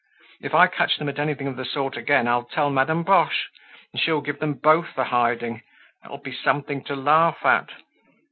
If I catch them at anything of the sort again, I'll tell Madame Boche, and she'll give them both a hiding. It'll be something to laugh at."